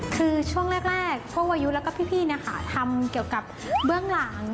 คือช่วงแรกพวกอายุแล้วก็พี่ทำเกี่ยวกับเบื้องหลัง